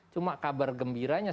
cuma kabar gembiranya